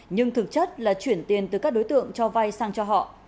nhưng thực chất là chuyển tiền từ các đối tượng cho vay sang cho họ